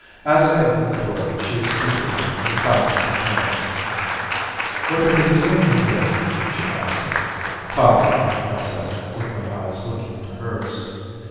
As I opened the door, she extended to me her clasped hands. "'What are they doing in there?' she asked. "'Talking,' I said, with my eyes looking into hers.